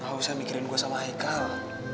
gak usah mikirin gue sama haikal